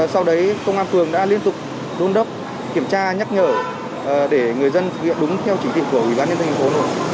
sau đấy công an phường đã liên tục đôn đốc kiểm tra nhắc nhở để người dân thực hiện đúng theo chỉ định của ủy ban nhân dân hình phố